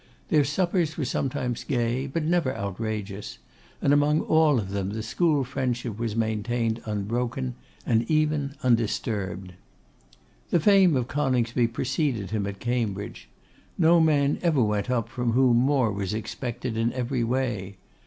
Their suppers were sometimes gay, but never outrageous; and, among all of them, the school friendship was maintained unbroken, and even undisturbed. The fame of Coningsby preceded him at Cambridge. No man ever went up from whom more was expected in every way.